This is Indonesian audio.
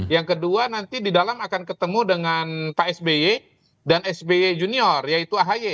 yang kedua nanti di dalam akan ketemu dengan pak sby dan sby junior yaitu ahy